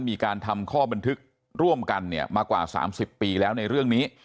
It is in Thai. มีการทำข้อบันทึกร่วมกันเนี่ยมากว่า๓๐ปีแล้วในเรื่องนี้